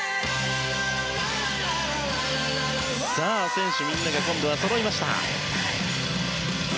選手みんなが今度はそろいました。